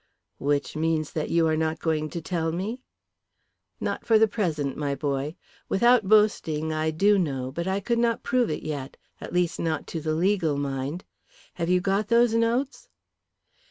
"Which means that you are not going to tell me?" "Not for the present, my boy. Without boasting, I do know, but I could not prove it yet; at least, not to the legal mind. Have you got those notes?"